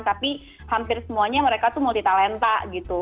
tapi hampir semuanya mereka tuh multi talenta gitu